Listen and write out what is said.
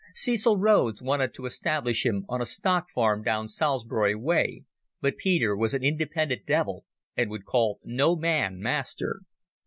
Cecil Rhodes wanted to establish him on a stock farm down Salisbury way, but Peter was an independent devil and would call no man master.